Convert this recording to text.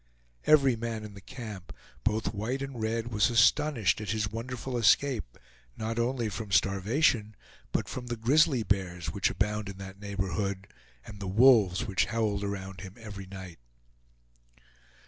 Every man in the camp, both white and red, was astonished at his wonderful escape not only from starvation but from the grizzly bears which abound in that neighborhood, and the wolves which howled around him every night.